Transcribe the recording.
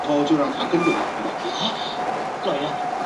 联邦司法及消费者保护部是德国的联邦部会之一。